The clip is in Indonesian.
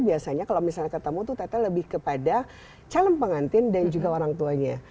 biasanya kalau misalnya ketemu tuh tata lebih kepada calon pengantin dan juga orang tuanya